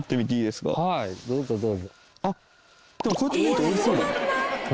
でもこうやって見ると美味しそうだ。